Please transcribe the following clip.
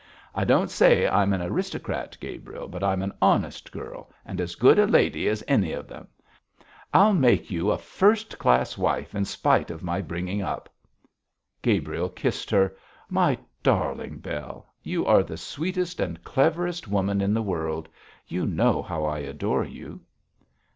I don't say I'm an aristocrat, Gabriel, but I'm an honest girl, and as good a lady as any of them. I'll make you a first class wife in spite of my bringing up.' Gabriel kissed her. 'My darling Bell, you are the sweetest and cleverest woman in the world. You know how I adore you.'